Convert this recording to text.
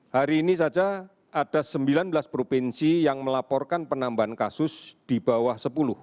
hari ini saja ada sembilan belas provinsi yang melaporkan penambahan kasus di bawah sepuluh